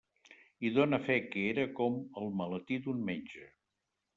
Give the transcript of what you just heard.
I done fe que era com el maletí d'un metge.